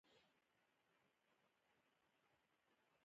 حیا نیم ایمان دی متل د حیا اهمیت په ګوته کوي